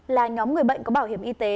là nhóm người bệnh có bảo hiểm y tế